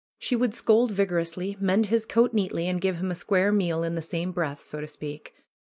She would scold vigorously, mend his coat neatly and give him a square meal in the same breath, so to speak.